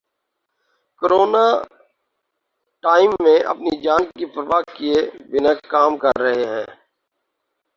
Corona time میں اپنی جان کی پرواہ کیے بنا کام کر رہے ہیں۔